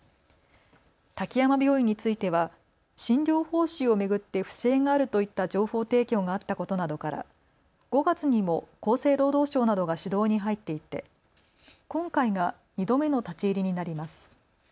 滝山病院については診療報酬を巡って不正があるといった情報提供があったことなどから５月にも厚生労働省などが指導に入っていて今回が２度目の立ち入りになります。